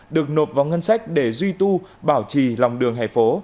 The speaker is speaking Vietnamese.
được nộp vào ngân sách để duy tu bảo trì lòng đường hẻ phố